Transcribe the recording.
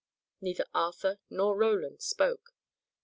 Neither Arthur nor Roland spoke.